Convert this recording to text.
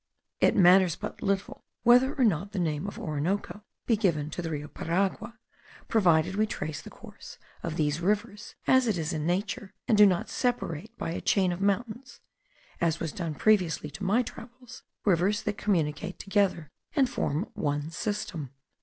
It matters but little whether or not the name of Orinoco be given to the Rio Paragua, provided we trace the course of these rivers as it is in nature, and do not separate by a chain of mountains, (as was done previously to my travels,) rivers that communicate together, and form one system.